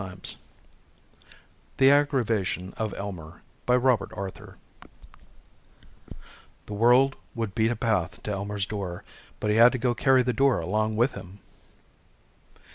net The Aggravation of Elmer By ROBERT ARTHUR _The world would beat a path to Elmer's door but he had to go carry the door along with him!